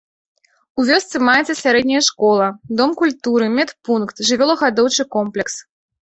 У вёсцы маецца сярэдняя школа, дом культуры, медпункт, жывёлагадоўчы комплекс.